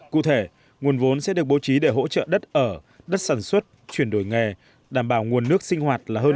cụ thể nguồn vốn sẽ được bố trí để hỗ trợ đất ở đất sản xuất chuyển đổi nghề đảm bảo nguồn nước sinh hoạt là hơn chín mươi tám tỷ đồng